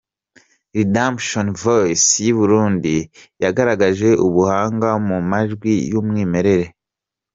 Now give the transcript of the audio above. Redemption Voice y'i Burundi yagaragaje ubuhanga mu majwi y'umwimerere.